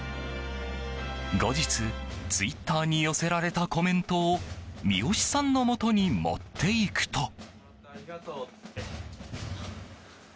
後日ツイッターに寄せられたコメントを三好さんのもとに持っていくと。